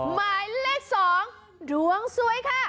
หมายเลข๒ดวงสวยค่ะ